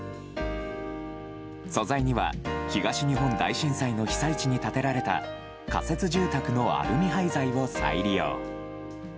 素材には、東日本大震災の被災地に建てられた仮設住宅のアルミ廃材を再利用。